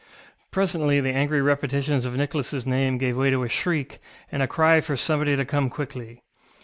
Presently the angry repetitions of NicholasŌĆÖ name gave way to a shriek, and a cry for somebody to come quickly.